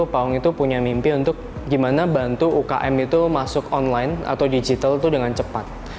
pak wong itu punya mimpi untuk gimana bantu umkm itu masuk online atau digital dengan cepat